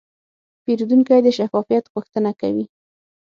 پیرودونکی د شفافیت غوښتنه کوي.